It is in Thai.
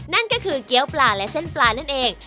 นั่นก็คือเกี้ยวปลาและเส้นปลานั่นเอง